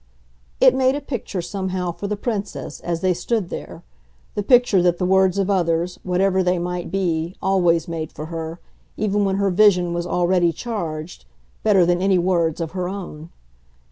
It made a picture, somehow, for the Princess, as they stood there the picture that the words of others, whatever they might be, always made for her, even when her vision was already charged, better than any words of her own.